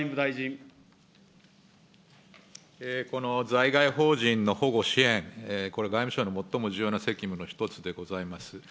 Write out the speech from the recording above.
この在外邦人の保護・支援、これ、外務省の最も重要な責務の一つであります。